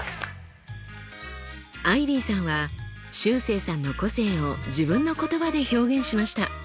アイビーさんはしゅうせいさんの個性を自分の言葉で表現しました。